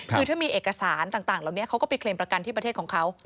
คือถ้ามีเอกสารต่างเหล่านี้เขาก็ไปเคลมประกันที่ประเทศของเขา